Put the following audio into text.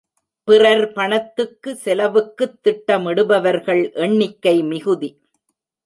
பிறர் பணத்துக்கு, செலவுக்குத் திட்ட மிடுபவர்கள் எண்ணிக்கை மிகுதி.